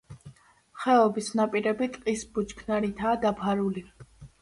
ხეობის ნაპირები ტყის ბუჩქნარითაა დაფარული.